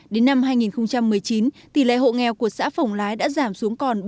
đến năm hai nghìn một mươi chín tỷ lệ hộ nghèo của xã phổng lái đã giảm xuống còn bốn hai mươi tám